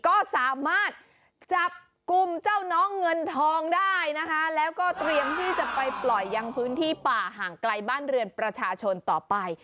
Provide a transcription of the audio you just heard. ก็สามารถจับกลุ่มเจ้าน้องเงินทองได้นะคะแล้วก็เตรียมที่จะไปปล่อยยังพื้นที่ป่าห่างไกลบ้านเรือนประชาชนต่อไป